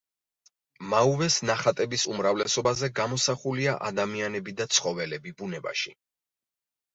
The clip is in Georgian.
მაუვეს ნახატების უმრავლესობაზე გამოსახულია ადამიანები და ცხოველები ბუნებაში.